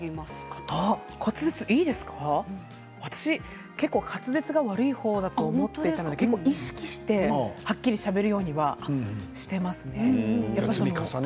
私、結構滑舌が悪い方だと思っていたので意識して、はっきりしゃべるようにはしていますね。